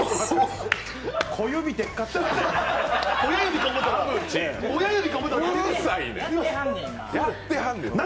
小指でっかって何？